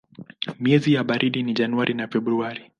Miezi ya baridi ni Januari na Februari.